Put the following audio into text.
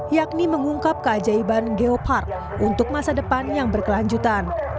yakni mengungkap keajaiban geopark untuk masa depan yang berkelanjutan